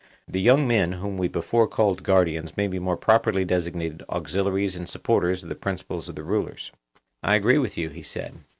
The young men whom we before called guardians may be more properly designated auxiliaries and supporters of the principles of the rulers. I agree with you, he said.